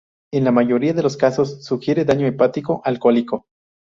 En la mayoría de los casos sugiere daño hepático alcohólico.